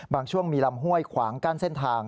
ช่วงมีลำห้วยขวางกั้นเส้นทาง